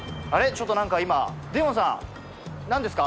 ちょっと何か今デヨンさん何ですか？